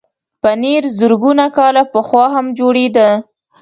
پنېر زرګونه کاله پخوا هم جوړېده.